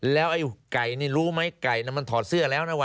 แล้วก็มีแผนที่เขตรักษาพันธุ์สัตว์ป่า